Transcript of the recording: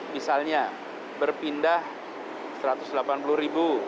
misalnya berpindah satu ratus delapan puluh ribu